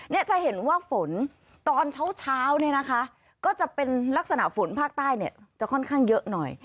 เนี่ยจะเห็นว่าฝนตอนเช้าเนี่ยนะคะก็จะเป็นลักษณะฝนภาคใต้เนี่ยจะค่อนข้างเยอะหน่อย